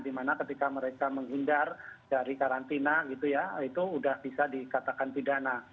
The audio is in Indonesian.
dimana ketika mereka menghindar dari karantina gitu ya itu sudah bisa dikatakan pidana